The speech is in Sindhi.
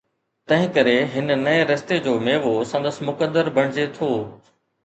تنهنڪري هن نئين رستي جو ميوو سندس مقدر بڻجي ٿو.